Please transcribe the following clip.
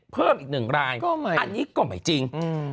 เพิ่มอีกหนึ่งรายอันนี้ก็ไม่จริง